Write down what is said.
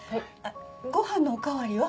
ご飯のお代わりは？